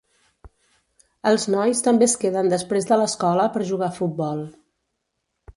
Els nois també es queden després de l'escola per jugar a futbol.